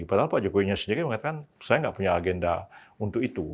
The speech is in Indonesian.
padahal pak jokowinya sendiri mengatakan saya nggak punya agenda untuk itu